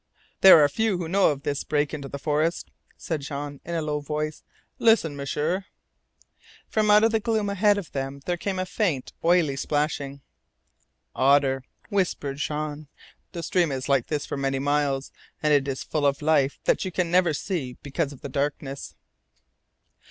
"There are few who know of this break into the forest," said Jean in a low voice. "Listen, M'sieur!" From out of the gloom ahead of them there came a faint, oily splashing. "Otter," whispered Jean. "The stream is like this for many miles, and it is full of life that you can never see because of the darkness."